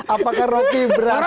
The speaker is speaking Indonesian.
apakah roky berarti